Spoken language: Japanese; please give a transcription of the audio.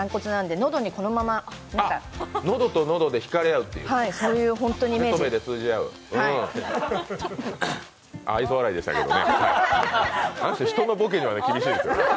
喉と喉で引かれ合う、目と目で通じ合う愛想笑いでしたけどね、人のボケには厳しい。